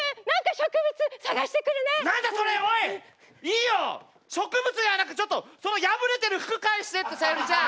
植物ではなくちょっとその破れてる服返してってサユリちゃん。